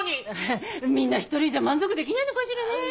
みんな１人じゃ満足できないのかしらね。